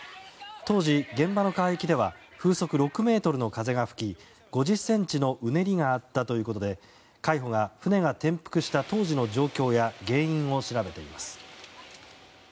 当時、現場の海域では風速６メートルの風が吹き５０ｃｍのうねりがあったということで海保が船が転覆した当時の状況や原因を調べています。